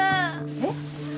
えっ！？